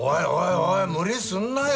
おい無理すんなよ